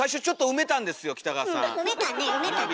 うん埋めたね埋めたね。